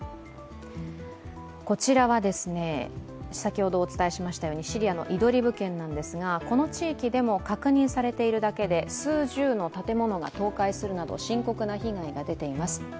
こちらはシリアのイドリブ県なんですがこの地域でも確認されているだけで数十の建物が倒壊するなど深刻な被害が出ています。